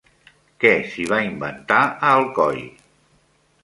Què s'hi va inventar a Alcoi?